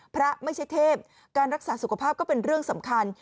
ไม่ใช่เทพการรักษาสุขภาพก็เป็นเรื่องสำคัญ